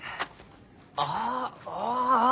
ああああ。